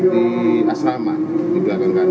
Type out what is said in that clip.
di asrama di belakang kami